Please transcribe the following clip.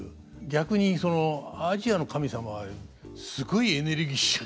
逆にアジアの神様はすごいエネルギッシュで。